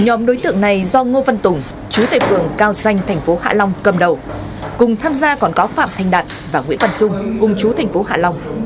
nhóm đối tượng này do ngô văn tùng chú tây phường cao danh tp hạ long cầm đầu cùng tham gia còn có phạm thanh đạt và nguyễn phần trung cùng chú tp hạ long